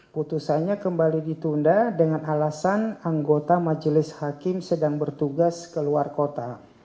putusannya kembali ditunda dengan alasan anggota majelis hakim sedang bertugas ke luar kota